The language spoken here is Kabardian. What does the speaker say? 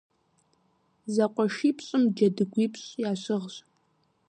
ЗэкъуэшипщӀым джэдыгуипщӀ ящыгъщ.